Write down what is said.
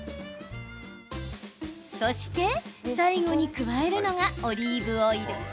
そして、最後に加えるのがオリーブオイル。